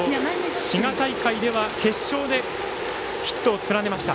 滋賀大会では決勝でヒットを連ねました。